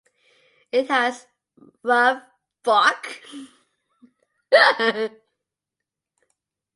It has rough bark.